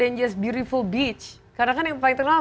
pantai yang indah karena kan yang paling terkenal